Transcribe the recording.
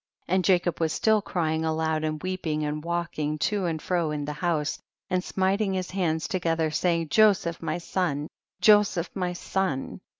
39. And Jacob was still crying aloud and weeping and walking to and fro in the house, and smiting his hands together, saying, Joseph my son, Joseph my son.